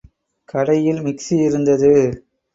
கடையில் மிக்ஸி இருந்தது.